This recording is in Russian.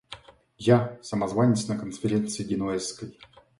Я — самозванец на конференции Генуэзской.